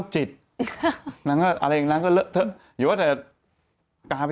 ใช่คุณครับ